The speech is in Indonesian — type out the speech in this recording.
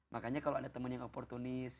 makanya kalau ada teman yang oportunis